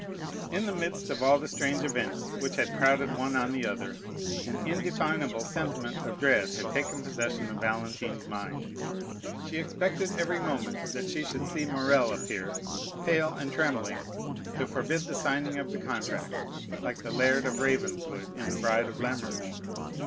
In the midst of all the strange events which had crowded one on the other, an indefinable sentiment of dread had taken possession of Valentine's mind. She expected every moment that she should see Morrel appear, pale and trembling, to forbid the signing of the contract, like the Laird of Ravenswood in The Bride of Lammermoor.